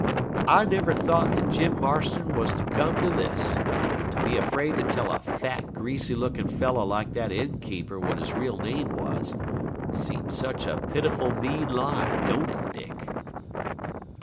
'I never thought that Jim Marston was to come to this to be afraid to tell a fat, greasy looking fellow like that innkeeper what his real name was. Seems such a pitiful mean lie, don't it, Dick?'